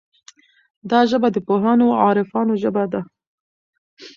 دا ژبه د پوهانو او عارفانو ژبه ده.